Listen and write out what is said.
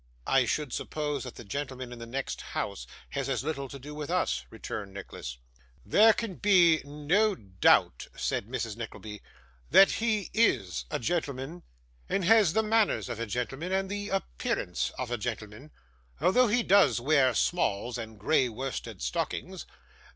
'I should suppose that the gentleman in the next house has as little to do with us,' returned Nicholas. 'There can be no doubt,' said Mrs. Nickleby, 'that he IS a gentleman, and has the manners of a gentleman, and the appearance of a gentleman, although he does wear smalls and grey worsted stockings.